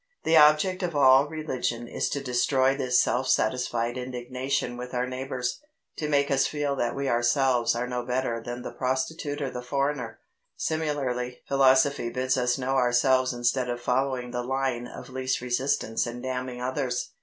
The object of all religion is to destroy this self satisfied indignation with our neighbours to make us feel that we ourselves are no better than the prostitute or the foreigner. Similarly philosophy bids us know ourselves instead of following the line of least resistance and damning others.